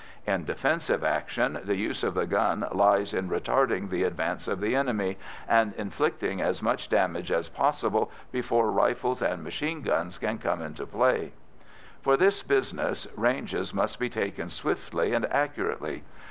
In defensive action the use of the gun lies in retarding the advance of the enemy, and inflicting as much damage as possible before rifles and machine guns can come into play. For this business ranges must be taken swiftly and accurately.